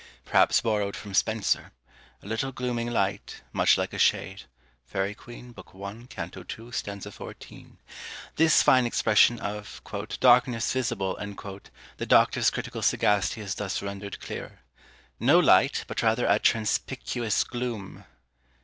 Perhaps borrowed from Spenser: A little glooming light, much like a shade. Faery Queene, b. i. c. 2. st. 14. This fine expression of "DARKNESS VISIBLE" the Doctor's critical sagacity has thus rendered clearer: No light, but rather A TRANSPICIUOUS GLOOM.